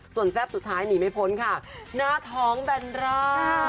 ส่วนแซ่บสุดท้ายหนีไม่พ้นค่ะหน้าท้องแบนร่า